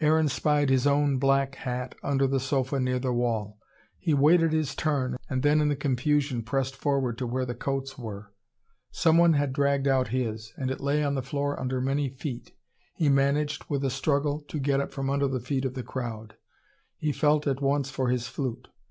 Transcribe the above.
Aaron spied his own black hat under the sofa near the wall. He waited his turn and then in the confusion pressed forward to where the coats were. Someone had dragged out his, and it lay on the floor under many feet. He managed, with a struggle, to get it from under the feet of the crowd. He felt at once for his flute.